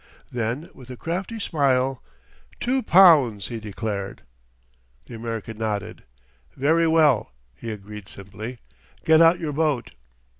Then with a crafty smile, "Two pound'," he declared. The American nodded. "Very well," he agreed simply. "Get out your boat."